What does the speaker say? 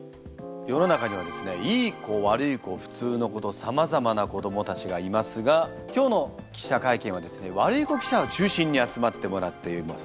世の中にはですねいい子悪い子普通の子とさまざまな子どもたちがいますが今日の記者会見はですね悪い子記者を中心に集まってもらっています。